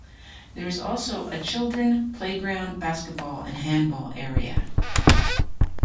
There is also a children playground, basketball and handball area.